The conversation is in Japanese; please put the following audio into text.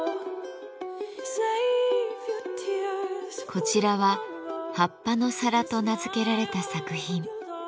こちらは「葉っぱの皿」と名付けられた作品。